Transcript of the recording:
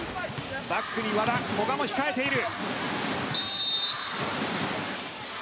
バックに和田、古賀も控えている。